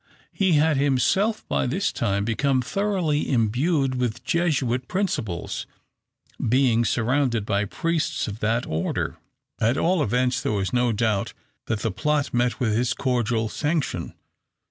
He had himself, by this time, become thoroughly imbued with Jesuit principles, being surrounded by priests of that order. At all events, there is no doubt that the plot met with his cordial sanction.